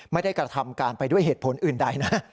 ไม่ได้กระทำการไปด้วยเหตุผลอื่นใดนะ